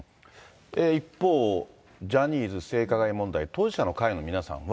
一方、ジャニーズ性加害問題、当事者の会の皆さんは。